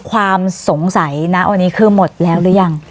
ความสงสัยนะวันนี้คือหมดแล้วหรือยัง